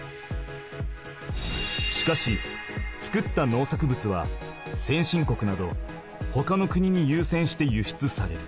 しかし作った農作物は先進国などほかの国にゆうせんして輸出される。